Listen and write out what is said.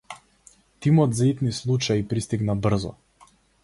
Тимот за итни случаи пристигна брзо.